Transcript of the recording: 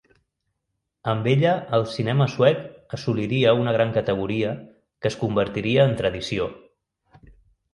Amb ella el cinema suec assoliria una gran categoria que es convertiria en tradició.